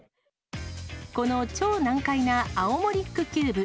この超難解なアオモリックキューブ。